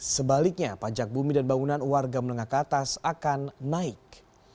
sebaliknya pajak bumi dan bangunan warga menengah ke atas akan naik